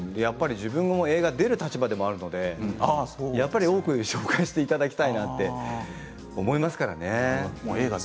自分が映画に出る立場でもあるので多く紹介していただきたいねって思いますからね